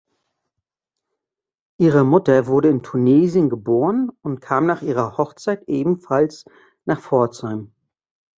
Ihre Mutter wurde in Tunesien geboren und kam nach ihrer Hochzeit ebenfalls nach Pforzheim.